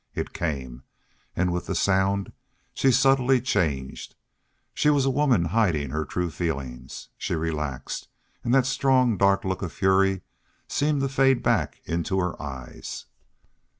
It came, and with the sound she subtly changed. She was a woman hiding her true feelings. She relaxed, and that strong, dark look of fury seemed to fade back into her eyes.